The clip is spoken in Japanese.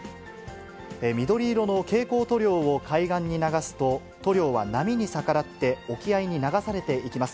緑色の蛍光塗料を海岸に流すと、塗料は波に逆らって沖合に流されていきます。